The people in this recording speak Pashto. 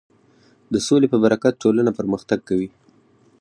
د سولې په برکت ټولنه پرمختګ کوي.